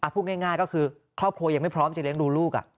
พูดง่ายก็คือครอบครัวยังไม่พร้อมจะเลี้ยงดูลูก